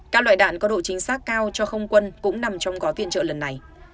các loại đạn có độ chính xác cao cho không quân cũng nằm trong gói viện trợ lần này